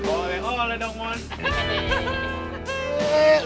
oleh oleh dong mon